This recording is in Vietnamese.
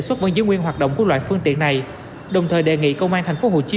xuất vẫn giữ nguyên hoạt động của loại phương tiện này đồng thời đề nghị công an thành phố hồ chí